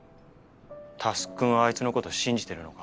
佑くんはあいつの事信じてるのか？